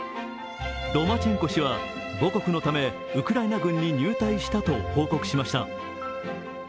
ロマチェンコ氏は母国のため、ウクライナ軍に入隊したと報告しました。